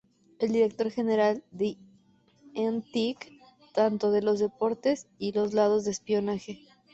El director general de N-Tek, tanto de los deportes y los lados de espionaje.